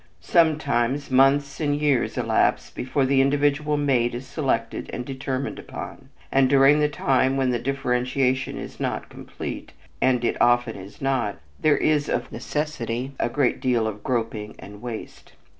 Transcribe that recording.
Sometimes months and years elapse before the individual mate is selected and determined upon, and during the time when the differentiation is not complete and it often is not there is of necessity a great deal of groping and waste.